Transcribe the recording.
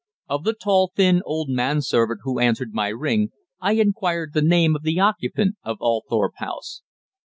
Of the tall, thin, old man servant who answered my ring, I inquired the name of the occupant of Althorp House.